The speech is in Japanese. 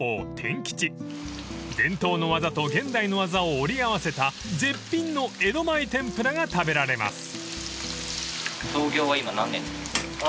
［伝統の技と現代の技を折り合わせた絶品の江戸前天ぷらが食べられます］